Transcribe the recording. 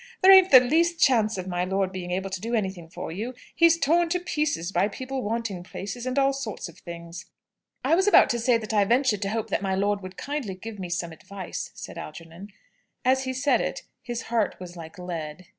"There ain't the least chance of my lord being able to do anything for you. He's torn to pieces by people wanting places, and all sorts of things." "I was about to say that I ventured to hope that my lord would kindly give me some advice," said Algernon. As he said it his heart was like lead.